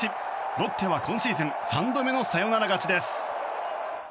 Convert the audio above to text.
ロッテは今シーズン３度目のサヨナラ勝ちです。